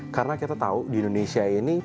karena kita tahu di indonesia ini